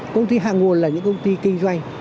công ty hàng nguồn là những công ty kinh doanh